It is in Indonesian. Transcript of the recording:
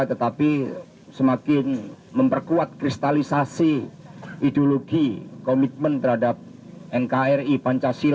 tetapi semakin memperkuat kristalisasi ideologi komitmen terhadap nkri pancasila